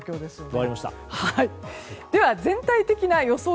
では、全体的な予想